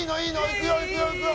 いくよいくよいくよ！